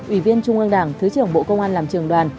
ủy viên trung ương đảng thứ trưởng bộ công an làm trường đoàn